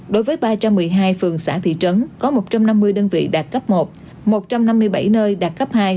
đối với ba trăm một mươi hai phường xã thị trấn có một trăm năm mươi đơn vị đạt cấp một một trăm năm mươi bảy nơi đạt cấp hai